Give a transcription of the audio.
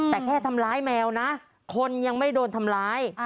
แต่แค่ทำร้ายแมวนะคนยังไม่โดนทำร้าย